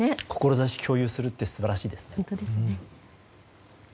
志を共有するって素晴らしいですね。